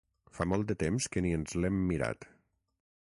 Fa molt de temps que ni ens l'hem mirat.